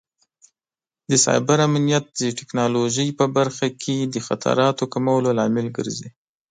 د سایبر امنیت د ټکنالوژۍ په برخه کې د خطراتو کمولو لامل ګرځي.